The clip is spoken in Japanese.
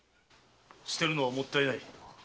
捨てるのはもったいないからな。